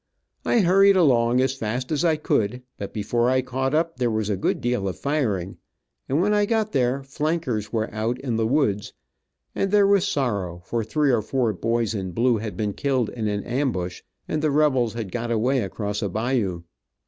I hurried along as fast as I could, but before I caught up, there was a good deal of firing, and when I got there flankers were out in the woods, and there was sorrow, for three or four boys in blue had been killed in an ambush, and the rebels had got away across a bayou.